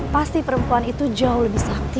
pasti perempuan itu jauh lebih sakti